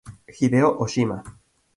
Hideo Ōshima